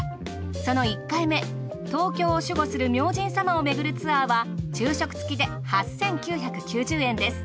その１回目東京を守護する明神様をめぐるツアーは昼食付きで８，９９０円です。